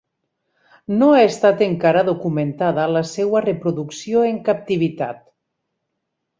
No ha estat encara documentada la seua reproducció en captivitat.